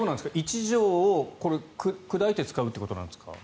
１錠を砕いて使うということなんですか？